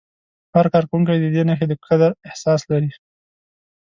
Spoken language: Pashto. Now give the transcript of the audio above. هر کارکوونکی د دې نښې د قدر احساس لري.